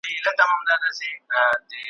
سم له واکه تللی د ازل او د اسمان یمه `